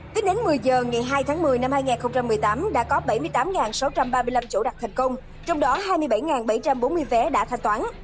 tính đến một mươi giờ ngày hai tháng một mươi năm hai nghìn một mươi tám đã có bảy mươi tám sáu trăm ba mươi năm chỗ đặt thành công trong đó hai mươi bảy bảy trăm bốn mươi vé đã thanh toán